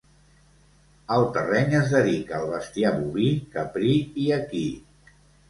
El terreny es dedica al bestiar boví, caprí i equí.